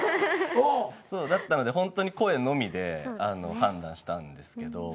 だったのでほんとに声のみで判断したんですけど。